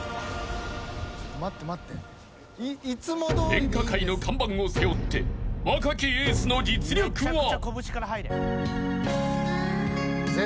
［演歌界の看板を背負って若きエースの実力は？］